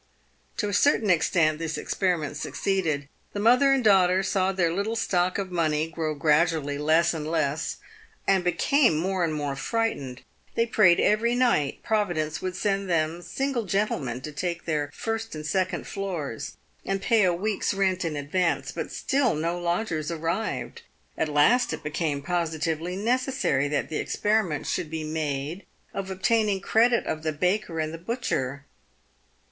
is To a certain extent this experiment succeeded. The mother and daughter saw their little stock of money grow gradually less and less, and became more and more frightened. They prayed every night Providence would send them single gentlemen to take their first and second floors and pay a week's rent in advance, but still no lodgers ar rived. At last it became positively necessary that the experiment should be made of obtaining credit of the baker and the butcher.